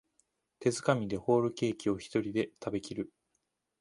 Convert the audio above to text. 手づかみでホールケーキをひとりで食べきる